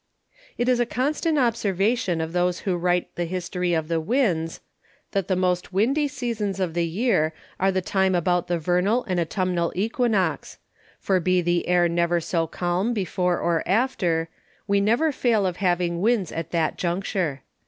It is a constant Observation of those who write the History of the Winds, That the most Windy Seasons of the Year, are the Time about the Vernal and Autumnal Equinox; for be the Air never so calm before or after, we never fail of having Winds at that Juncture.